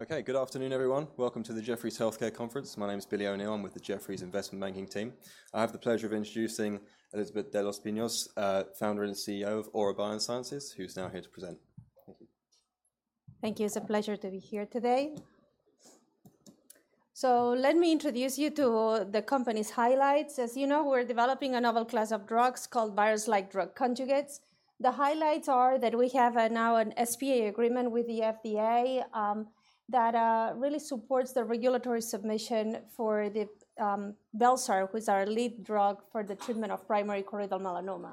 Okay, good afternoon, everyone. Welcome to the Jefferies Healthcare Conference. My name is Billy O'Neill, I'm with the Jefferies Investment Banking team. I have the pleasure of introducing Elisabet de los Pinos, Founder and CEO of Aura Biosciences, who's now here to present. Thank you. Thank you. It's a pleasure to be here today. Let me introduce you to the company's highlights. As you know, we're developing a novel class of drugs called virus-like drug conjugates. The highlights are that we have now an SPA agreement with the FDA that really supports the regulatory submission for the bel-sar, who is our lead drug for the treatment of primary choroidal melanoma.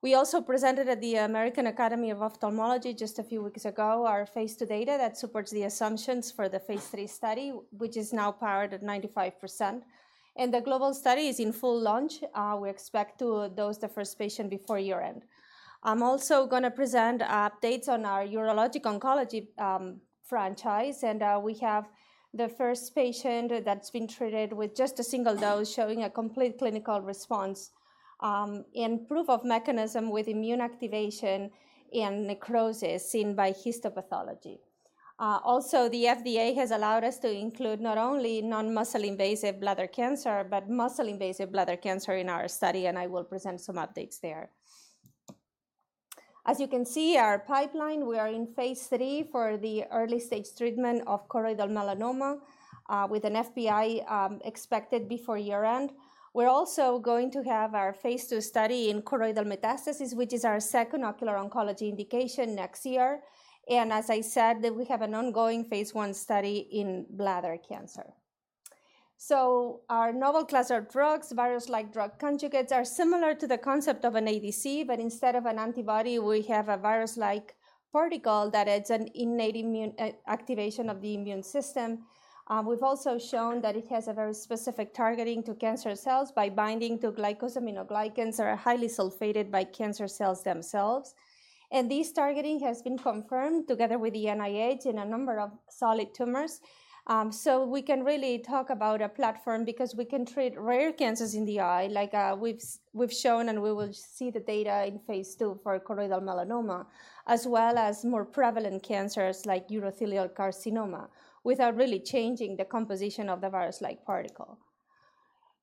We also presented at the American Academy of Ophthalmology just a few weeks ago, our phase II data that supports the assumptions for the phase III study, which is now powered at 95%, and the global study is in full launch. We expect to dose the first patient before year-end. I'm also gonna present updates on our urologic oncology franchise, and we have the first patient that's been treated with just a single dose, showing a complete clinical response, and proof of mechanism with immune activation and necrosis seen by histopathology. Also, the FDA has allowed us to include not only non-muscle invasive bladder cancer, but muscle invasive bladder cancer in our study, and I will present some updates there. As you can see, our pipeline, we are in phase III for the early stage treatment of choroidal melanoma with a filing expected before year-end. We're also going to have our phase II study in choroidal metastasis, which is our second ocular oncology indication next year, and as I said, that we have an ongoing phase I study in bladder cancer. So our novel class of drugs, virus-like drug conjugates, are similar to the concept of an ADC, but instead of an antibody, we have a virus-like particle that adds an innate immune activation of the immune system. We've also shown that it has a very specific targeting to cancer cells by binding to glycosaminoglycans that are highly sulfated by cancer cells themselves. And this targeting has been confirmed together with the NIH in a number of solid tumors. So we can really talk about a platform because we can treat rare cancers in the eye, we've shown and we will see the data in phase II for choroidal melanoma, as well as more prevalent cancers like urothelial carcinoma, without really changing the composition of the virus-like particle.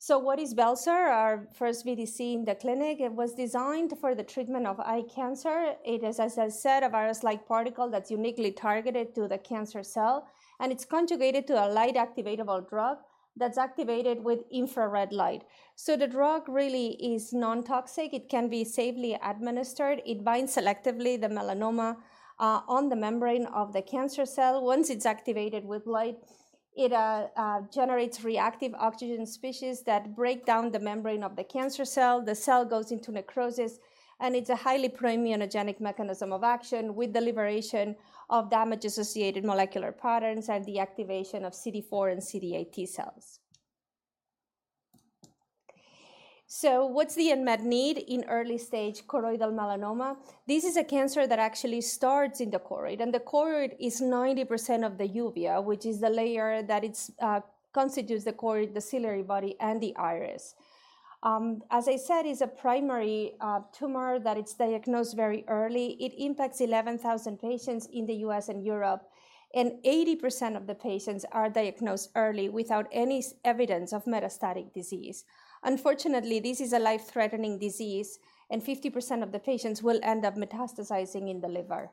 So what is bel-sar, our first VDC in the clinic? It was designed for the treatment of eye cancer. It is, as I said, a virus-like particle that's uniquely targeted to the cancer cell, and it's conjugated to a light activatable drug that's activated with infrared light. So the drug really is non-toxic. It can be safely administered. It binds selectively the melanoma on the membrane of the cancer cell. Once it's activated with light, it generates reactive oxygen species that break down the membrane of the cancer cell. The cell goes into necrosis, and it's a highly immunogenic mechanism of action with the liberation of damage-associated molecular patterns and the activation of CD4 and CD8 T cells. So what's the unmet need in early-stage choroidal melanoma? This is a cancer that actually starts in the choroid, and the choroid is 90% of the uvea, which is the layer that it's constitutes the choroid, the ciliary body, and the iris. As I said, it's a primary tumor that it's diagnosed very early. It impacts 11,000 patients in the U.S. and Europe, and 80% of the patients are diagnosed early without any evidence of metastatic disease. Unfortunately, this is a life-threatening disease, and 50% of the patients will end up metastasizing in the liver.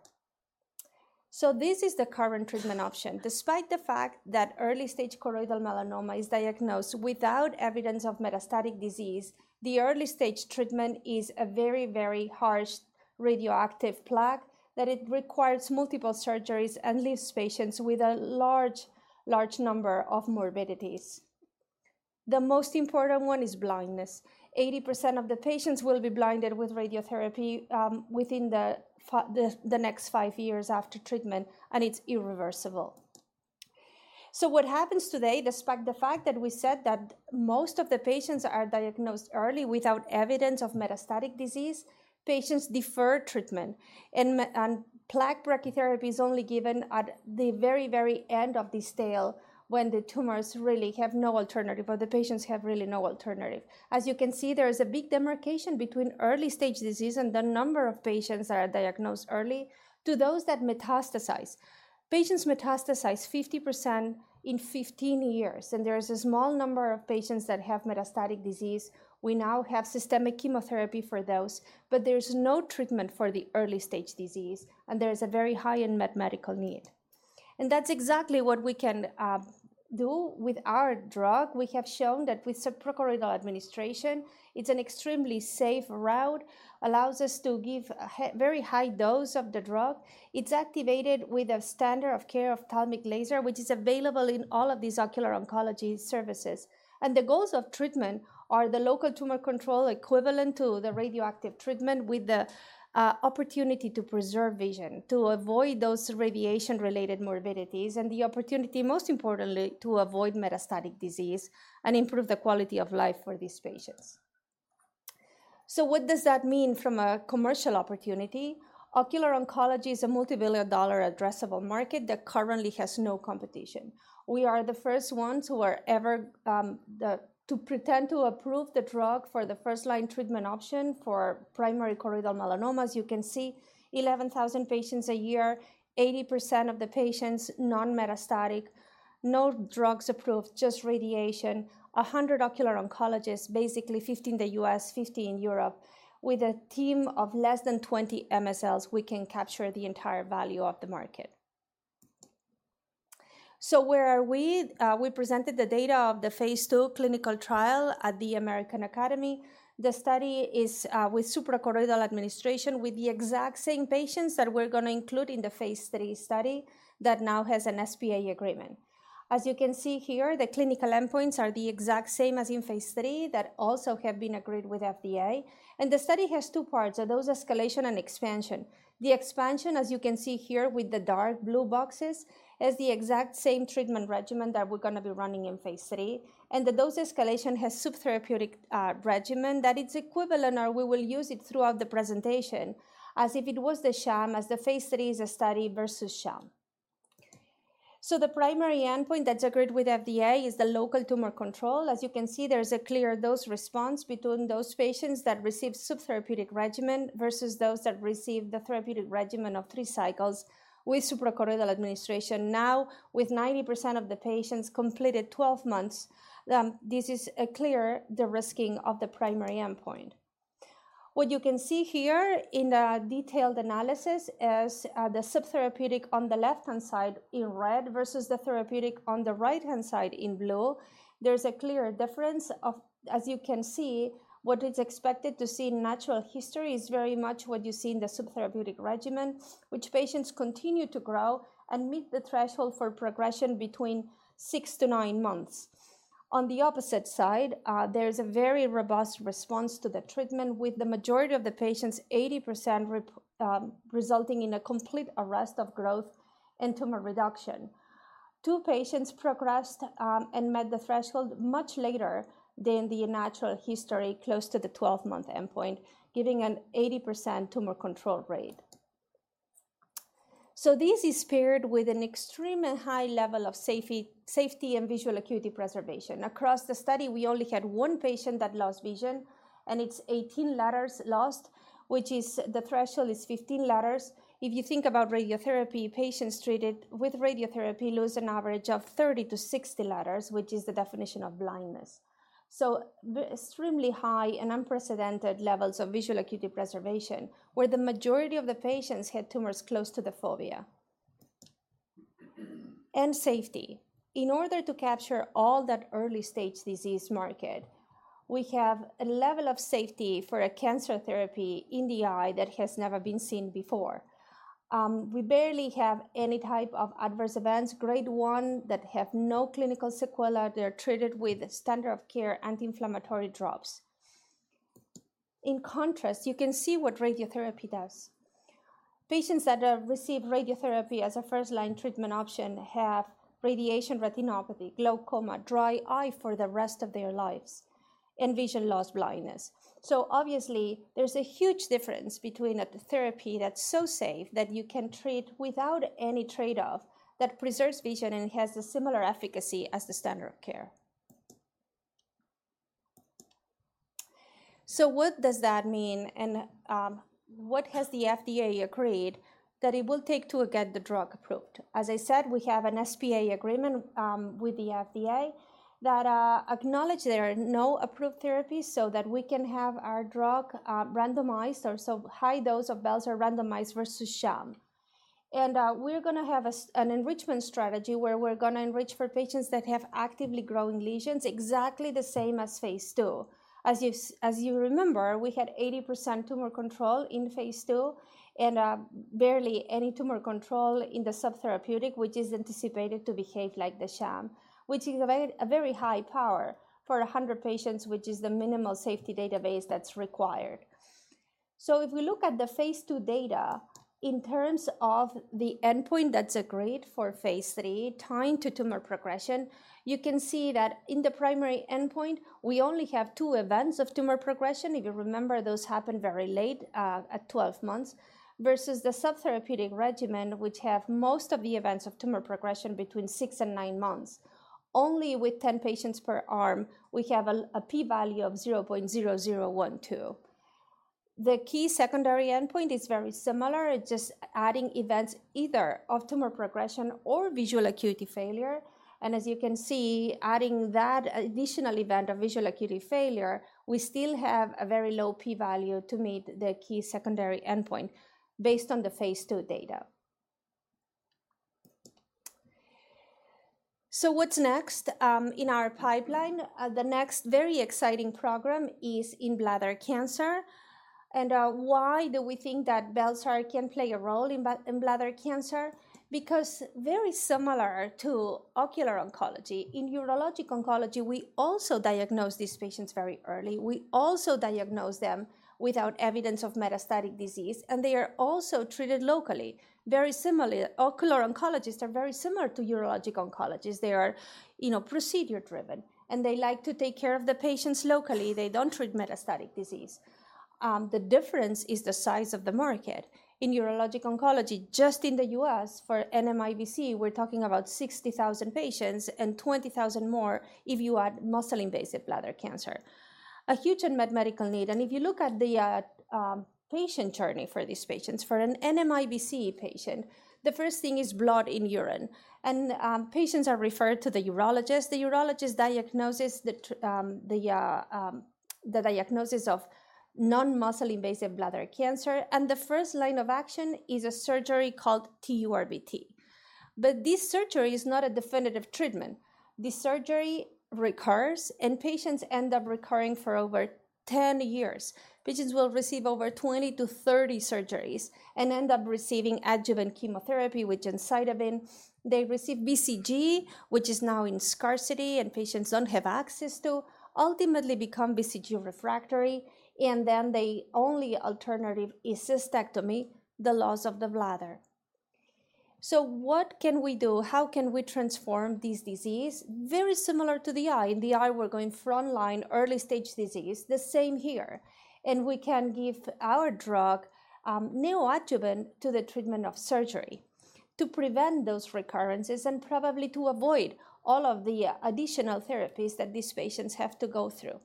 So this is the current treatment option. Despite the fact that early-stage choroidal melanoma is diagnosed without evidence of metastatic disease, the early-stage treatment is a very, very harsh radioactive plaque, that it requires multiple surgeries and leaves patients with a large, large number of morbidities. The most important one is blindness. 80% of the patients will be blinded with radiotherapy within the next five years after treatment, and it's irreversible. So what happens today, despite the fact that we said that most of the patients are diagnosed early without evidence of metastatic disease, patients defer treatment, and plaque brachytherapy is only given at the very, very end of this tail when the tumors really have no alternative or the patients have really no alternative. As you can see, there is a big demarcation between early-stage disease and the number of patients that are diagnosed early to those that metastasize. Patients metastasize 50% in 15 years, and there is a small number of patients that have metastatic disease. We now have systemic chemotherapy for those, but there's no treatment for the early-stage disease, and there is a very high unmet medical need. That's exactly what we can do with our drug. We have shown that with suprachoroidal administration, it's an extremely safe route, allows us to give a very high dose of the drug. It's activated with a standard of care of ophthalmic laser, which is available in all of these ocular oncology services. The goals of treatment are the local tumor control equivalent to the radioactive treatment, with the opportunity to preserve vision, to avoid those radiation-related morbidities, and the opportunity, most importantly, to avoid metastatic disease and improve the quality of life for these patients. What does that mean from a commercial opportunity? Ocular oncology is a multi-billion-dollar addressable market that currently has no competition. We are the first ones who are ever positioned to have the drug approved for the first-line treatment option for primary choroidal melanoma. As you can see, 11,000 patients a year, 80% of the patients non-metastatic... no drugs approved, just radiation. 100 ocular oncologists, basically 50 in the U.S., 50 in Europe, with a team of less than 20 MSLs, we can capture the entire value of the market. So where are we? We presented the data of the phase II clinical trial at the American Academy. The study is with suprachoroidal administration with the exact same patients that we're gonna include in the phase III study, that now has an SPA agreement. As you can see here, the clinical endpoints are the exact same as in phase III, that also have been agreed with FDA, and the study has two parts: a dose escalation and expansion. The expansion, as you can see here with the dark blue boxes, is the exact same treatment regimen that we're gonna be running in phase III, and the dose escalation has subtherapeutic regimen that is equivalent, or we will use it throughout the presentation as if it was the sham, as the phase III is a study versus sham. So the primary endpoint that's agreed with FDA is the local tumor control. As you can see, there's a clear dose response between those patients that received subtherapeutic regimen versus those that received the therapeutic regimen of 3 cycles with suprachoroidal administration. Now, with 90% of the patients completed 12 months, this is a clear de-risking of the primary endpoint. What you can see here in the detailed analysis is, the subtherapeutic on the left-hand side in red versus the therapeutic on the right-hand side in blue. There's a clear difference of—as you can see, what is expected to see in natural history is very much what you see in the subtherapeutic regimen, which patients continue to grow and meet the threshold for progression between six to nine months. On the opposite side, there is a very robust response to the treatment with the majority of the patients, 80% rep resulting in a complete arrest of growth and tumor reduction. 2 patients progressed and met the threshold much later than the natural history, close to the 12-month endpoint, giving an 80% tumor control rate. So this is paired with an extremely high level of safety, safety and visual acuity preservation. Across the study, we only had 1 patient that lost vision, and it's 18 letters lost, which is the threshold is 15 letters. If you think about radiotherapy, patients treated with radiotherapy lose an average of 30-60 letters, which is the definition of blindness. So extremely high and unprecedented levels of visual acuity preservation, where the majority of the patients had tumors close to the fovea. And safety. In order to capture all that early-stage disease market, we have a level of safety for a cancer therapy in the eye that has never been seen before. We barely have any type of adverse events, grade one, that have no clinical sequela. They are treated with standard of care anti-inflammatory drops. In contrast, you can see what radiotherapy does. Patients that receive radiotherapy as a first-line treatment option have radiation retinopathy, glaucoma, dry eye for the rest of their lives, and vision loss blindness. So obviously, there's a huge difference between a therapy that's so safe that you can treat without any trade-off, that preserves vision and has a similar efficacy as the standard of care. So what does that mean, and what has the FDA agreed that it will take to get the drug approved? As I said, we have an SPA agreement with the FDA that acknowledge there are no approved therapies so that we can have our drug randomized, our high dose of bel-sar randomized versus sham. We're gonna have an enrichment strategy, where we're gonna enrich for patients that have actively growing lesions, exactly the same as phase II. As you remember, we had 80% tumor control in phase II and barely any tumor control in the subtherapeutic, which is anticipated to behave like the sham, which is a very, a very high power for 100 patients, which is the minimal safety database that's required. So if we look at the phase II data, in terms of the endpoint that's agreed for phase III, time to tumor progression, you can see that in the primary endpoint, we only have 2 events of tumor progression. If you remember, those happened very late at 12 months, versus the subtherapeutic regimen, which have most of the events of tumor progression between six and nine months. Only with 10 patients per arm, we have a P value of 0.0012. The key secondary endpoint is very similar. It's just adding events, either of tumor progression or visual acuity failure, and as you can see, adding that additional event of visual acuity failure, we still have a very low P value to meet the key secondary endpoint based on the phase II data. So what's next? In our pipeline, the next very exciting program is in bladder cancer. And why do we think that bel-sar can play a role in bladder cancer? Because very similar to ocular oncology, in urologic oncology, we also diagnose these patients very early. We also diagnose them without evidence of metastatic disease, and they are also treated locally. Very similarly, ocular oncologists are very similar to urologic oncologists. They are, you know, procedure-driven, and they like to take care of the patients locally. They don't treat metastatic disease. The difference is the size of the market. In urologic oncology, just in the U.S. for NMIBC, we're talking about 60,000 patients and 20,000 more if you add muscle-invasive bladder cancer. A huge unmet medical need, and if you look at the patient journey for these patients, for an NMIBC patient, the first thing is blood in urine, and patients are referred to the urologist. The urologist diagnoses the diagnosis of non-muscle invasive bladder cancer, and the first line of action is a surgery called TURBT. But this surgery is not a definitive treatment. This surgery recurs, and patients end up recurring for over 10 years. Patients will receive over 20-30 surgeries and end up receiving adjuvant chemotherapy with gemcitabine. They receive BCG, which is now in scarcity and patients don't have access to, ultimately become BCG refractory, and then the only alternative is cystectomy, the loss of the bladder. So what can we do? How can we transform this disease? Very similar to the eye. In the eye, we're going frontline, early-stage disease, the same here, and we can give our drug, neoadjuvant to the treatment of surgery to prevent those recurrences and probably to avoid all of the, additional therapies that these patients have to go through.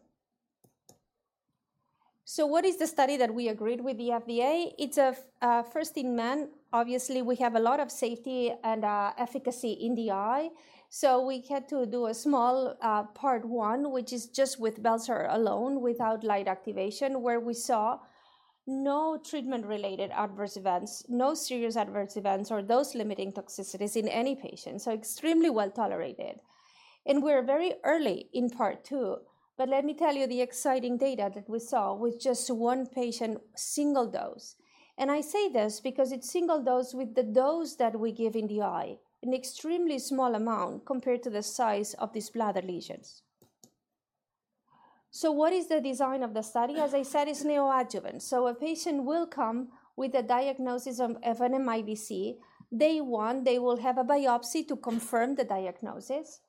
So what is the study that we agreed with the FDA? It's a first in men. Obviously, we have a lot of safety and efficacy in the eye, so we had to do a small part one, which is just with bel-sar alone, without light activation, where we saw no treatment-related adverse events, no serious adverse events or those limiting toxicities in any patient, so extremely well tolerated. And we're very early in part two, but let me tell you the exciting data that we saw with just one patient, single dose. And I say this because it's single dose with the dose that we give in the eye, an extremely small amount compared to the size of these bladder lesions. So what is the design of the study? As I said, it's neoadjuvant. So a patient will come with a diagnosis of NMIBC. Day one, they will have a biopsy to confirm the diagnosis.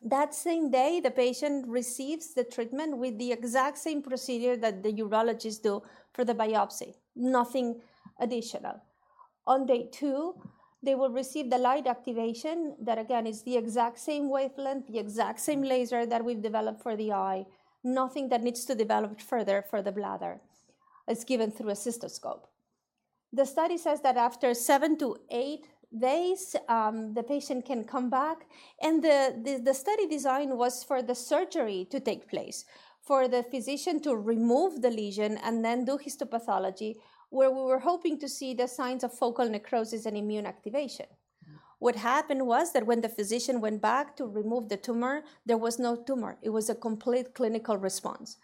That same day, the patient receives the treatment with the exact same procedure that the urologists do for the biopsy, nothing additional. On day two, they will receive the light activation. That, again, is the exact same wavelength, the exact same laser that we've developed for the eye, nothing that needs to develop further for the bladder. It's given through a cystoscope. The study says that after seven to eight days, the patient can come back, and the study design was for the surgery to take place, for the physician to remove the lesion and then do histopathology, where we were hoping to see the signs of focal necrosis and immune activation. What happened was that when the physician went back to remove the tumor, there was no tumor. It was a complete clinical response.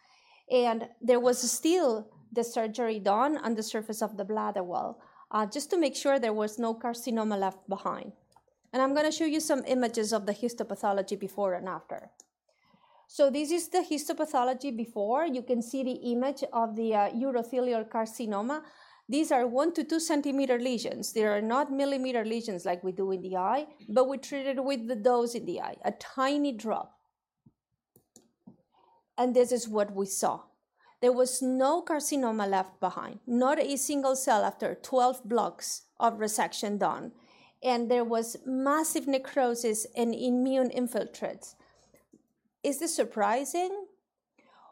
There was still the surgery done on the surface of the bladder wall, just to make sure there was no carcinoma left behind. I'm gonna show you some images of the histopathology before and after. This is the histopathology before. You can see the image of the urothelial carcinoma. These are 1-2-centimeter lesions. They are not millimeter lesions like we do in the eye, but we treated with the dose in the eye, a tiny drop. And this is what we saw. There was no carcinoma left behind, not a single cell after 12 blocks of resection done, and there was massive necrosis and immune infiltrates. Is this surprising?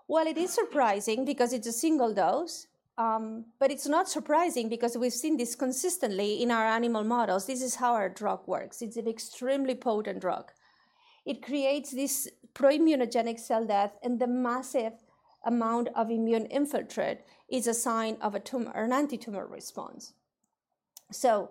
Well, it is surprising because it's a single dose, but it's not surprising because we've seen this consistently in our animal models. This is how our drug works. It's an extremely potent drug. It creates this proimmunogenic cell death, and the massive amount of immune infiltrate is a sign of a tumor or an anti-tumor response. So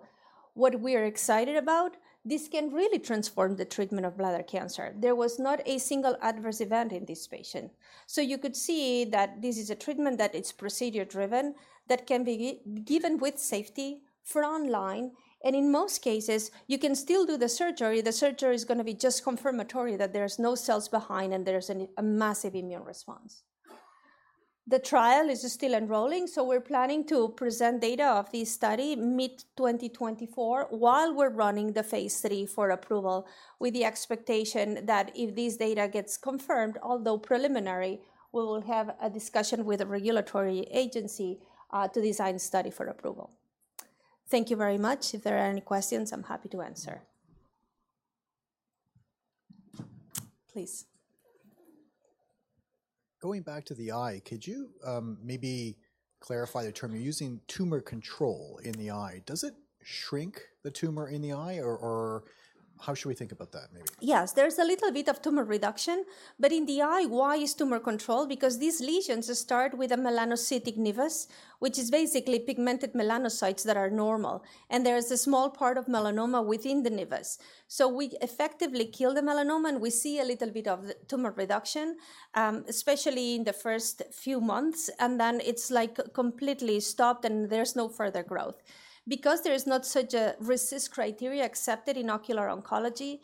what we are excited about, this can really transform the treatment of bladder cancer. There was not a single adverse event in this patient. So you could see that this is a treatment that it's procedure driven, that can be given with safety, frontline, and in most cases, you can still do the surgery. The surgery is gonna be just confirmatory that there's no cells behind and there's a massive immune response. The trial is still enrolling, so we're planning to present data of this study mid-2024 while we're running the phase III for approval, with the expectation that if this data gets confirmed, although preliminary, we will have a discussion with a regulatory agency to design study for approval. Thank you very much. If there are any questions, I'm happy to answer. Please. Going back to the eye, could you maybe clarify the term? You're using tumor control in the eye. Does it shrink the tumor in the eye, or how should we think about that maybe? Yes, there's a little bit of tumor reduction, but in the eye, why is tumor control? Because these lesions start with a melanocytic nevus, which is basically pigmented melanocytes that are normal, and there is a small part of melanoma within the nevus. So we effectively kill the melanoma, and we see a little bit of tumor reduction, especially in the first few months, and then it's, like, completely stopped, and there's no further growth. Because there is not such a RECIST criteria accepted in ocular oncology,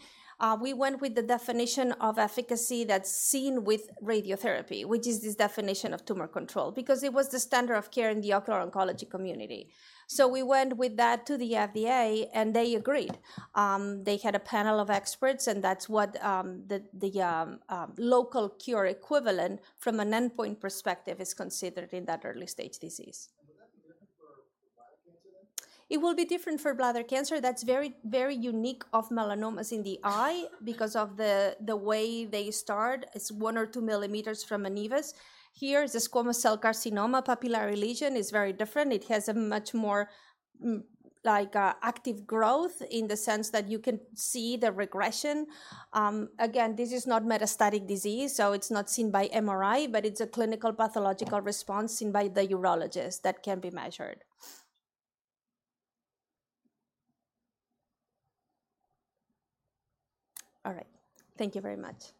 we went with the definition of efficacy that's seen with radiotherapy, which is this definition of tumor control, because it was the standard of care in the ocular oncology community. So we went with that to the FDA, and they agreed. They had a panel of experts, and that's what the local cure equivalent from an endpoint perspective is considered in that early-stage disease. Will that be different for bladder cancer then? It will be different for bladder cancer. That's very, very unique of melanomas in the eye because of the, the way they start. It's one or two millimeters from a nevus. Here, the squamous cell carcinoma papillary lesion is very different. It has a much more, like, active growth in the sense that you can see the regression. Again, this is not metastatic disease, so it's not seen by MRI, but it's a clinical pathological response seen by the urologist that can be measured. All right. Thank you very much.